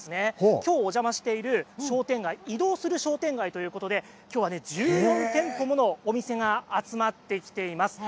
きょうお邪魔している商店街移動する商店街ということできょうは１４店舗ものお店が集まってきています。